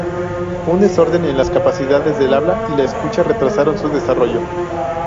Un desorden en las capacidades del habla y la escucha retrasaron su desarrollo.